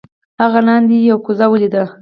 هغه لاندې یو کوزه ولیده.